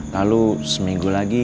lalu seminggu lagi